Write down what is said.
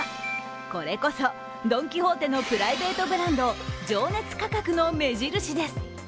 これこそドン・キホーテのプライベートブランド情熱価格の目印です。